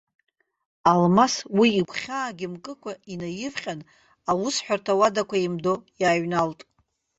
Алмас уи игәхьаагьы мкыкәа инаивҟьан, аусҳәарҭа ауадақәа еимдо иааҩналт.